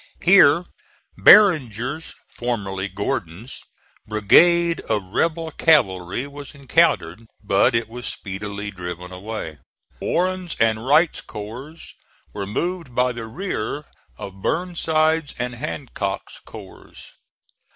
Here Barringer's, formerly Gordon's, brigade of rebel cavalry was encountered, but it was speedily driven away. Warren's and Wright's corps were moved by the rear of Burnside's and Hancock's corps.